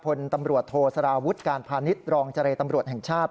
พลตำรวจโทสารวุฒิการพาณิชย์รองเจรตำรวจแห่งชาติ